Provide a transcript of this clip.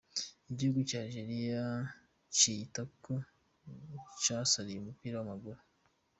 Igihugu ca Algeria ciyita ko casariye umupira w'amaguru.